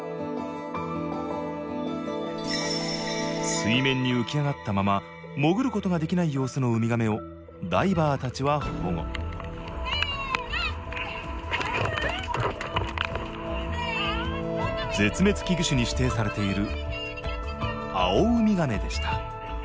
水面に浮き上がったまま潜ることができない様子のウミガメをダイバーたちは保護絶滅危惧種に指定されているアオウミガメでした。